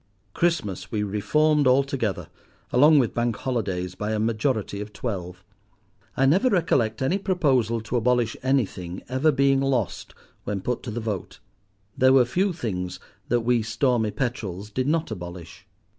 Christmas we reformed altogether, along with Bank Holidays, by a majority of twelve. I never recollect any proposal to abolish anything ever being lost when put to the vote. There were few things that we "Stormy Petrels" did not abolish.